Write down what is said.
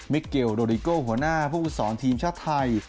มิเกลโดริโกหัวหน้าผู้สอนทีมชาติไทย